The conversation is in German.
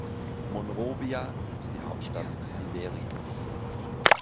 Monrovia ist die Hauptstadt von Liberia.